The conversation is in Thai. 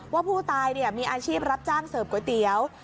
ว่าผู้ตายมีอาชีพรับจ้างเสิร์ฟก๋วยเตี๋ยว